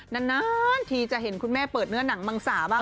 นานทีจะเห็นคุณแม่เปิดเนื้อหนังมังสาบ้าง